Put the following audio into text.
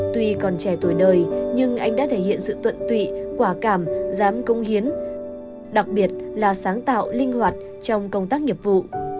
tuy còn trẻ tuổi đời nhưng anh đã thể hiện sự tận tụy quả cảm dám công hiến đặc biệt là sáng tạo linh hoạt trong công tác nghiệp vụ